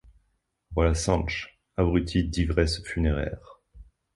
Voilà Sanche, abruti d'ivresses funéraires ;